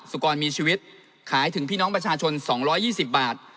สุกรมีชีวิตขายถึงพี่น้องประชาชนสองร้อยยี่สิบบาท